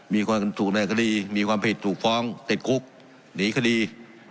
มีคนถูกในคดีมีความผิดถูกฟ้องติดคุกหนีคดี